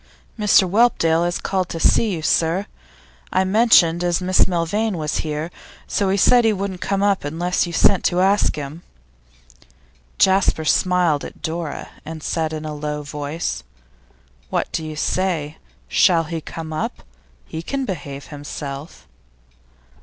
'Mr Whelpdale has called to see you, sir. I mentioned as Miss Milvain was here, so he said he wouldn't come up unless you sent to ask him.' Jasper smiled at Dora, and said in a low voice. 'What do you say? Shall he come up? He can behave himself.